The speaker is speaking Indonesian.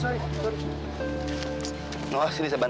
tapi aku masih yakin